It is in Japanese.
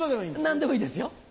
何でもいいですよ。